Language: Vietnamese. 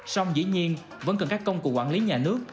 song dĩ nhiên vẫn cần các công cụ quản lý nhà nước